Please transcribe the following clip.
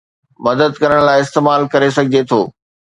مدد ڪرڻ لاء استعمال ڪري سگهجي ٿو